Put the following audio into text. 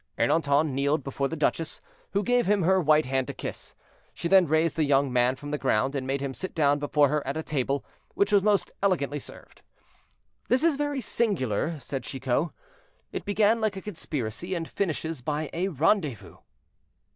Ernanton kneeled before the duchess, who gave him her white hand to kiss. She then raised the young man from the ground, and made him sit down before her at a table which was most elegantly served. "This is very singular," said Chicot; "It began like a conspiracy, and finishes by a rendezvous.